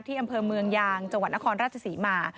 ที่อำเภอเมืองยางจังหวัดนครราชศรีมา